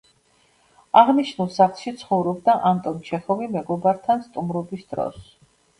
აღნიშნულ სახლში ცხოვრობდა ანტონ ჩეხოვი მეგობართან სტუმრობის დროს.